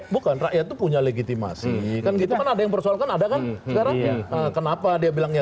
bahwa rakyat itu punya legitimasi kan gitu kan ada yang persoalkan ada kan kenapa dia bilang ya